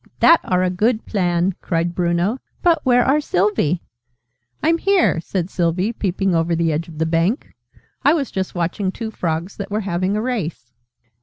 "That are a good plan!" cried Bruno. "But where are Sylvie?" "I'm here!" said Sylvie, peeping over the edge of the bank. "I was just watching two Frogs that were having a race."